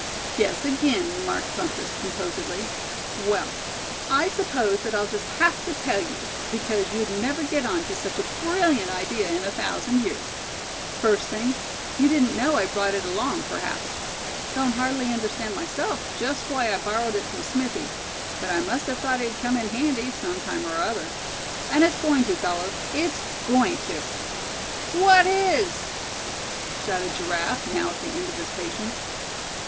"Guess again," remarked Bumpus, composedly. "Well, I suppose that I'll just have to tell you, because you'd never get on to such a brilliant idea in a thousand years. First thing, you didn't know I brought it along, perhaps. Don't hardly understand myself just why I borrowed it from Smithy; but I must have thought it'd come in handy, sometime or other. And it's going to, fellows; it's going to." "What is?" shouted Giraffe, now at the end of his patience.